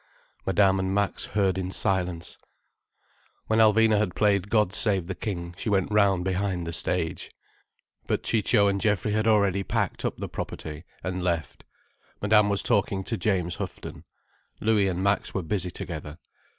Madame and Max heard in silence. When Alvina had played God Save the King she went round behind the stage. But Ciccio and Geoffrey had already packed up the property, and left. Madame was talking to James Houghton. Louis and Max were busy together.